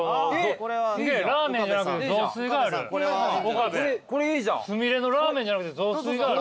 岡部すみれのラーメンじゃなくて雑炊がある。